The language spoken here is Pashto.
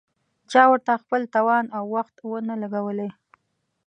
چا ورته خپل توان او وخت ونه لګولې.